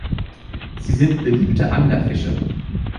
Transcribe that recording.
Sie sind beliebte Anglerfische.